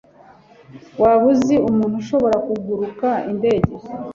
Waba uzi umuntu ushobora kuguruka indege?